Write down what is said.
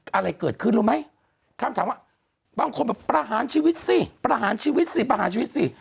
อะไรเกิดขึ้นรู้ไหมคำถามว่าบางคนแบบประหารชีวิตสิประหารชีวิตสิประหารชีวิตสิ